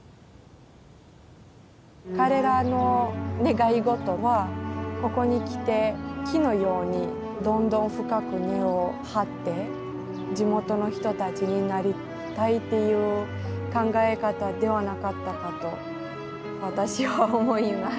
彼らの願い事はここに来て木のようにどんどん深く根を張って地元の人たちになりたいっていう考え方ではなかったかと私は思います。